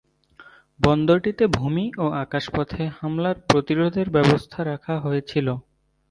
বন্দরটিতে ভুমি ও আকাশপথে হামলার প্রতিরোধের ব্যবস্থা রাখা হয়েছিলো।